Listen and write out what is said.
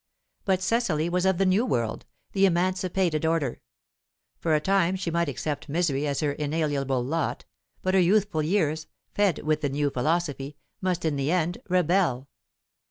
But Cecily was of the new world, the emancipated order. For a time she might accept misery as her inalienable lot, but her youthful years, fed with the new philosophy, must in the end rebel.